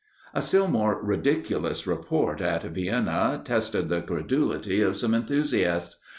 "A still more ridiculous report, at Vienna, tested the credulity of some enthusiasts.